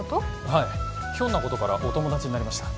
はいひょんなことからお友達になりました